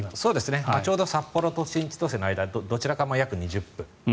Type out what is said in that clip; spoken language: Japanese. ちょうど札幌と新千歳の間どちらからも約２０分。